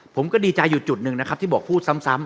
ผมก็ดีใจอยู่จุดหนึ่งนะครับที่บอกพูดซ้ำ